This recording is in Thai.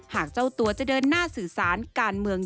เจ้าตัวจะเดินหน้าสื่อสารการเมือง